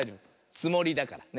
つもりだからね。